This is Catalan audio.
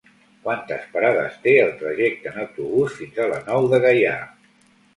Quantes parades té el trajecte en autobús fins a la Nou de Gaià?